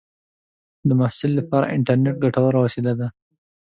د محصل لپاره انټرنېټ ګټوره وسیله ده.